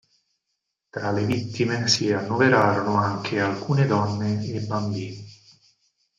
Tra le vittime si annoverarono anche alcune donne e bambini.